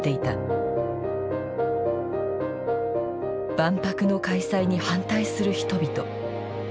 万博の開催に反対する人々。